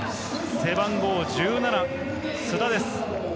背番号１７、須田です。